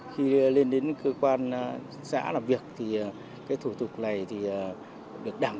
khi lên đến cơ quan xã làm việc thì cái thủ tục này thì được đảm bảo